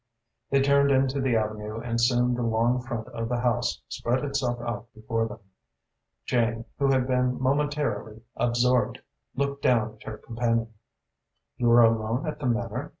They turned into the avenue and soon the long front of the house spread itself out before them. Jane, who had been momentarily absorbed, looked down at her companion. "You are alone at the Manor?"